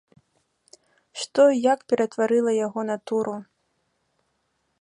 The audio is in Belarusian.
Што і як ператварыла яго натуру?